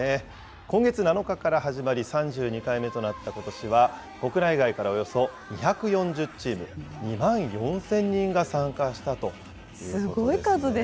今月７日から始まり、３２回目となったことしは、国内外からおよそ２４０チーム、２万４０００人が参加したということですね。